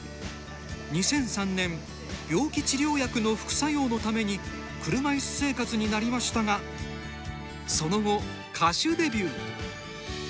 ２００３年病気治療薬の副作用のために車いす生活になりましたがその後、歌手デビュー。